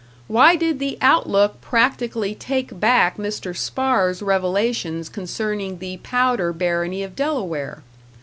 Why did the "Outlook" practically take back Mr. Spahr's revelations concerning the Powder barony of Delaware?